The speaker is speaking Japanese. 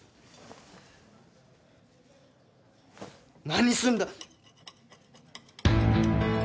何すんだ。